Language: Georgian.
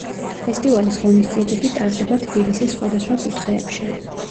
ფესტივალის ღონისძიებები ტარდება თბილისის სხვადასხვა კუთხეებში.